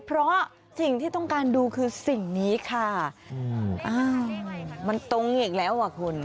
เพราะสิ่งที่ต้องการดูคือสิ่งนี้ค่ะอ้าวมันตรงนี้อีกแล้วอ่ะคุณ